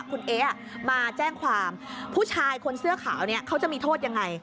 คุณเอ๊ะมาแจ้งความผู้ชายคนเสื้อขาวนี้เขาจะมีโทษยังไง